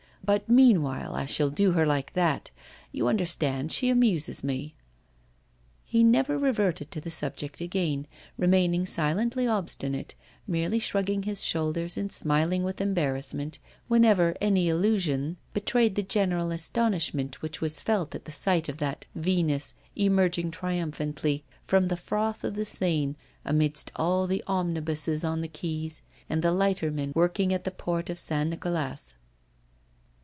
'But meanwhile I shall do her like that. You understand, she amuses me.' He never reverted to the subject again, remaining silently obstinate, merely shrugging his shoulders and smiling with embarrassment whenever any allusion betrayed the general astonishment which was felt at the sight of that Venus emerging triumphantly from the froth of the Seine amidst all the omnibuses on the quays and the lightermen working at the Port of St. Nicolas.